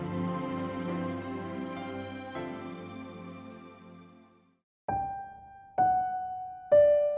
ได้ครับ